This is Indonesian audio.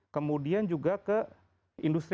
kemudian juga ke industri